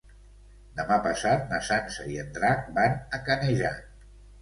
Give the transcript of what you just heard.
Demà passat na Sança i en Drac van a Canejan.